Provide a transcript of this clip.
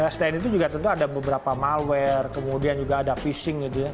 selain itu juga tentu ada beberapa malware kemudian juga ada phishing